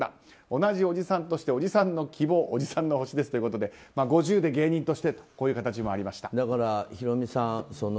同じおじさんとしておじさんの希望おじさんの星ですということで５０で芸人としてという形もだから、ヒロミさん。